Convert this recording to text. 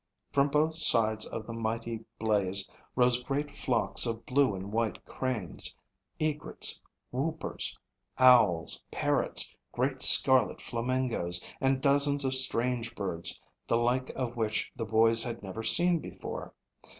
From both sides of the mighty blaze rose great flocks of blue and white cranes, egrets, whoopers, owls, parrots, great scarlet flamingoes, and dozens of strange birds the like of which the boys had never seen before.